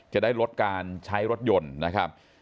จะได้ลดการใช้รถยนต์นะครับ